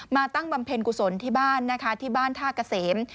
มาตั้งบำเพ็ญกุศลที่บ้านที่บ้านท่ากระเสม